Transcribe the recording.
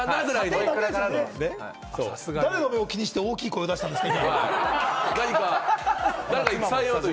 今、誰のことを気にして、大きい声を出したんですか？